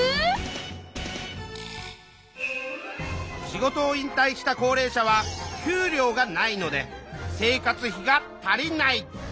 仕事を引退した高齢者は給料がないので生活費が足りない。